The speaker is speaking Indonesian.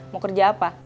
mau kerja apa